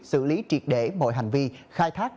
xử lý triệt để mọi hành vi khai thác